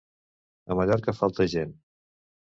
A Mallorca falta gent!